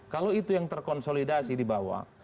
kalau itu yang terkonsolidasi di bawah